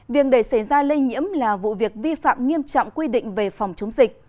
việc để xảy ra lây nhiễm là vụ việc vi phạm nghiêm trọng quy định về phòng chống dịch